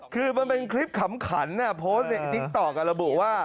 คือมันเป็นคลิปขำขันโพสต์ในติ๊กต๊อกกับระบุว่า